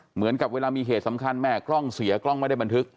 เหมือนกับเวลามีเหตุสำคัญแม่กล้องเสียกล้องไม่ได้บันทึก